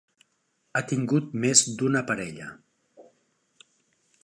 Ha tingut més d'una parella.